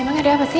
emang ada apa sih